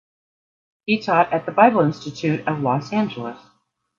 He taught at the Bible Institute of Los Angeles.